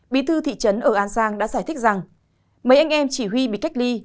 bí thư thị trấn ở an giang đã giải thích rằng mấy anh em chỉ huy bị cách ly